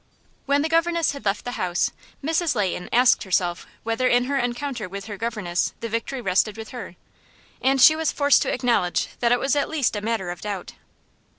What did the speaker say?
When the governess had left the house, Mrs. Leighton asked herself whether in her encounter with her governess the victory rested with her, and she was forced to acknowledge that it was at least a matter of doubt.